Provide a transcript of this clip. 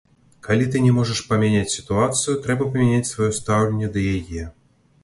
Калі ты не можаш памяняць сітуацыю, трэба памяняць сваё стаўленне да яе.